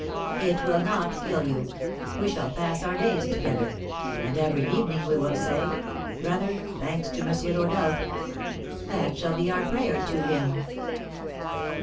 "It will not kill you. We shall pass our days together; and every evening we will say, 'brother, thanks to M. Rodolph,' that shall be our prayer to, him."